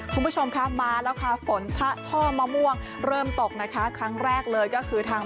คุณผู้ชมคะมาแล้วค่ะฝนชะช่อมะม่วงเริ่มตกนะคะครั้งแรกเลยก็คือทาง